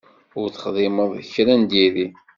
Ur texdimeḍ kra n diri.